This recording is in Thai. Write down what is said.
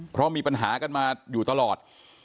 เพราะมีปัญหากันมาอยู่ตลอด